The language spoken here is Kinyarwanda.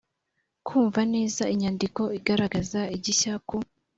kumva neza inyandiko igaragaza igishya ku